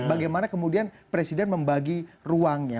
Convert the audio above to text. bagaimana kemudian presiden membagi ruangnya